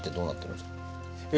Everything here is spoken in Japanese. え